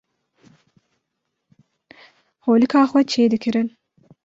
holika xwe çê dikirin